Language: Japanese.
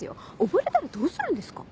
溺れたらどうするんですか？